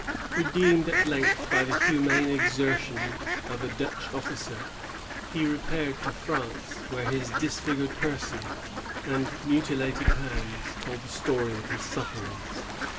Redeemed, at length, by the humane exertions of a Dutch officer, he repaired to France, where his disfigured person and mutilated hands told the story of his sufferings.